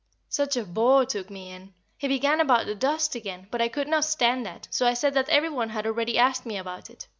Such a bore took me in! He began about the dust again, but I could not stand that, so I said that every one had already asked me about it.